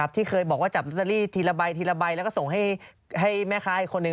ที่เคยบอกว่าจับลอตเตอรี่ทีละใบทีละใบแล้วก็ส่งให้แม่ค้าอีกคนนึง